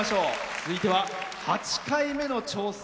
続いては８回目の挑戦。